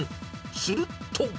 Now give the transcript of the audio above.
すると。